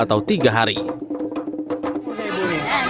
gak tahu anterikata lima puluh tahun